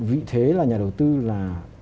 vị thế là nhà đầu tư là